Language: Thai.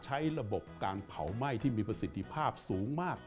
ใช้ระบบการเผาไหม้ที่มีประสิทธิภาพสูงมาก